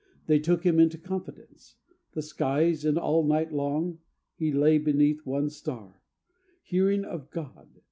_ _They took him into confidence the skies; And all night long he lay beneath one star, Hearing of God....